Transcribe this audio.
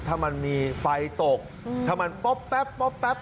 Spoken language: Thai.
ถ้ามันมีไฟตกถ้ามันป๊อปแป๊บ